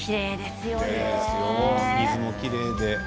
水もきれいで。